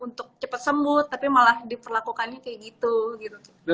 untuk cepet sembut tapi malah diperlakukannya kayak gitu